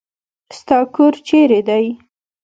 ستا کور چيري دی.